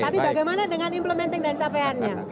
jadi bagaimana dengan implementing dan capeannya